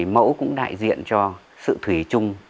mẫu cũng đại diện cho sự thủy chung